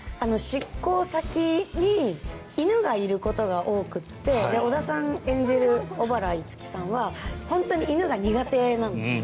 執行先に犬がいることが多くて織田さん演じる小原樹さんは本当に犬が苦手なんですね。